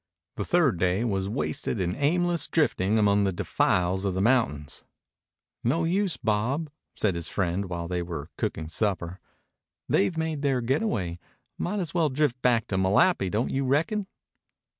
The third day was wasted in aimless drifting among the defiles of the mountains. "No use, Bob," said his friend while they were cooking supper. "They've made their getaway. Might as well drift back to Malapi, don't you reckon?"